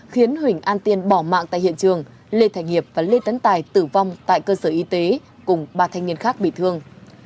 khiến huỳnh an tiên bỏ mạng tại hiện trường lê thành hiệp và lê tấn tài tử vong tại cơ sở y tế cùng ba thanh niên khác bị thương